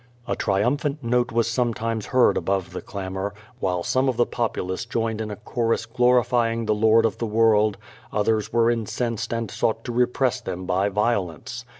A triumphant note was sometimes heard above the clamor, while some of the populace joined in a chorus glorifying the Lord of the world, others were incensed and sought to repress them by violence.